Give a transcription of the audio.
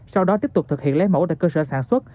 sau đó tiếp tục thực hiện lấy mẫu tại cơ sở sản xuất